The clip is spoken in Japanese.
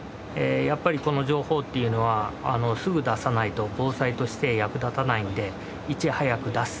やっぱりこの情報っていうのはすぐ出さないと防災として役立たないのでいち早く出す